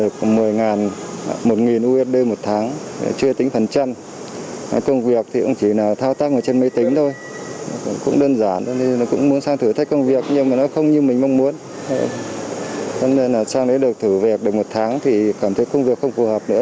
cho các đối tượng